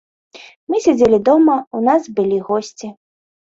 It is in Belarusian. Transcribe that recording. Мы сядзелі дома, у нас былі госці.